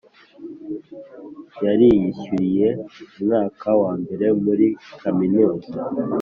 yariyishyuriye Umwaka wa mbere muri kaminuza